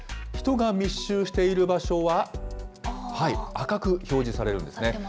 人が密集している場所は、赤く表示されるんですね。